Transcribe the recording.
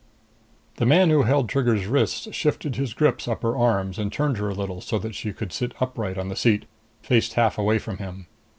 5 The man who held Trigger's wrists shifted his grip up her arms, and turned her a little so that she could sit upright on the seat, faced half away from him.